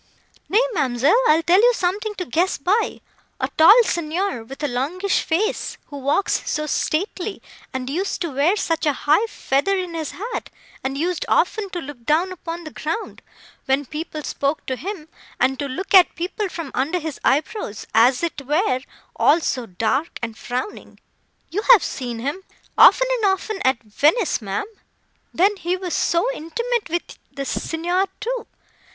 "Nay, ma'amselle, I'll tell you something to guess by—A tall Signor, with a longish face, who walks so stately, and used to wear such a high feather in his hat; and used often to look down upon the ground, when people spoke to him; and to look at people from under his eyebrows, as it were, all so dark and frowning. You have seen him, often and often, at Venice, ma'am. Then he was so intimate with the Signor, too.